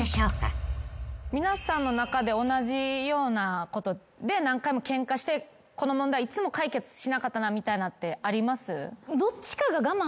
皆さんの中で同じようなことで何回もケンカしてこの問題いつも解決しなかったなみたいなってあります？